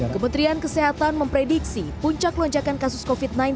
kementerian kesehatan memprediksi puncak lonjakan kasus covid sembilan belas